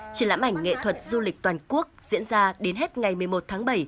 triển lãm ảnh nghệ thuật du lịch toàn quốc diễn ra đến hết ngày một mươi một tháng bảy